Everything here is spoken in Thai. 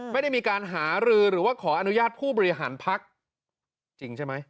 ไม่ได้มีหารือหรือขออนุญาตผู้บริหารภักษ์